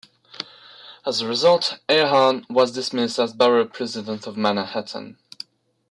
As a result, Ahearn was dismissed as borough president of Manhattan.